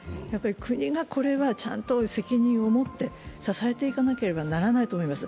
国がちゃんと責任を持って支えていかなければならないと思います。